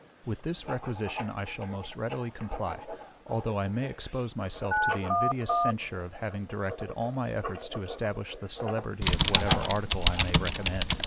With this requisition I shall most readily comply, although I may expose myself to the invidious censure of having directed all my efforts to establish the celebrity of whatever article I may recommend.